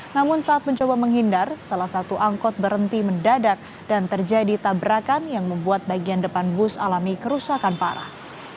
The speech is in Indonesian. namun saat mencoba menghindar salah satu angkot berhenti mendadak dan terjadi tabrakan yang membuat bagian depan bus alami kerusakan parah